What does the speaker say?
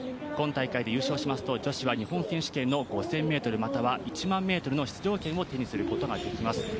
今大会で優勝しますと女子は日本選手権の５０００ｍまたは１００００ｍの出場権を手にすることができます。